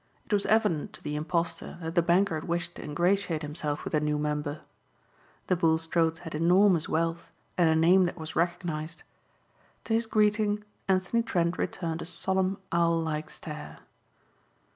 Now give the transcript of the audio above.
It was evident to the impostor that the banker wished to ingratiate himself with the new member. The Bulstrodes had enormous wealth and a name that was recognized. To his greeting Anthony Trent returned a solemn owl like stare.